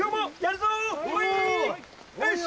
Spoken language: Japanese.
よし！